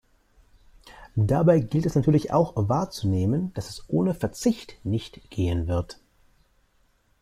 Dabei gilt es natürlich auch wahrzunehmen, dass es ohne Verzicht nicht gehen wird.